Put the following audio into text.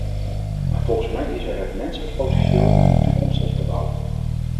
Maar volgens mij is er het menselijk potentieel om die toekomst op te bouwen.